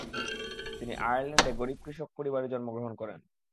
তিনি আয়ারল্যান্ডে গরীব কৃষক পরিবারে জন্মগ্রহণ করেন।